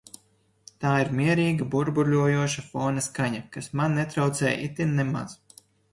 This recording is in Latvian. Tā ir mierīga, burbuļojoša fona skaņa, kas man netraucē itin nemaz.